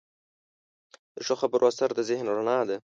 د ښو خبرو اثر د ذهن رڼا ده.